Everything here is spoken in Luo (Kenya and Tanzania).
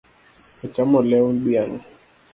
Ochamo lew dhiang’